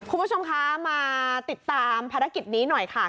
คุณผู้ชมคะมาติดตามภารกิจนี้หน่อยค่ะ